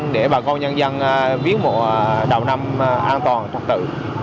để bà con nhân dân viết một đầu năm an toàn trong tự